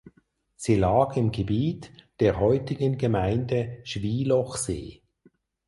Sie lag im Gebiet der heutigen Gemeinde Schwielochsee.